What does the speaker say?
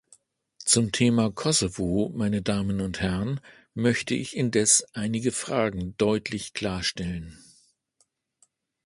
Zum Thema Kosovo, meine Damen und Herren, möchte ich indes einige Fragen deutlich klarstellen.